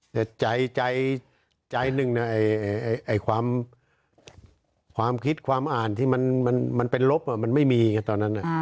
แต่ใจในใจหนึ่งเนี่ยความคิดความอ่านที่มันเป็นลบมันไม่มีเนี่ยตอนนั้น